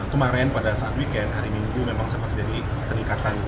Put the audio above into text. kemarin pada saat weekend hari minggu memang sempat terjadi peningkatan